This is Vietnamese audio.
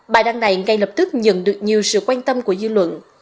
bài đăng này ngay lập tức nhận được nhiều sự quan tâm của dư luận